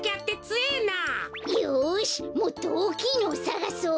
よしもっとおおきいのをさがそう。